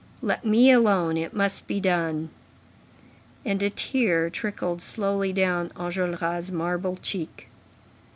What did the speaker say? "Let me alone. It must be done." And a tear trickled slowly down Enjolras' marble cheek.